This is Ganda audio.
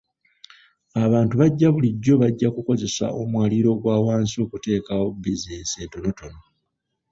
Abantu ba bulijjo bajja kukozesa omwaliriro ogwa wansi okuteekawo bizinensi entonotono.